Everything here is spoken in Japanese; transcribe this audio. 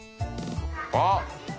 あっ。